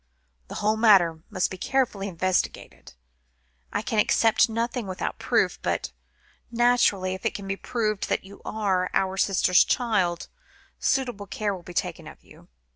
"The whole matter must be carefully investigated. I can accept nothing without proof, but, naturally, if it can be proved that you are our sister's child, suitable care will be taken of you.